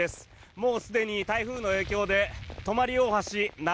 もうすでに台風の影響で泊大橋、な